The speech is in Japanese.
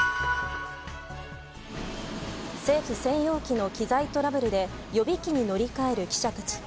政府専用機の機材トラブルで予備機に乗り換える記者たち。